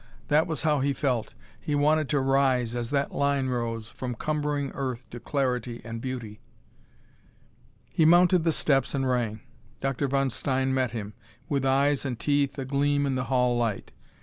That was how he felt. He wanted to rise, as that line rose, from cumbering earth to clarity and beauty. He mounted the steps and rang. Dr. von Stein met him, with eyes and teeth agleam in the hall light.